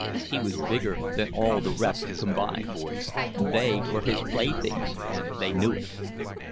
He was bigger than all the rest combined. They were his playthings, and they knew it.